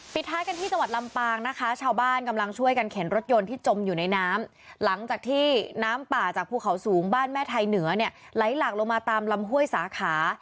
ปิดท้ายกันที่จังหวัดลำปางนะคะ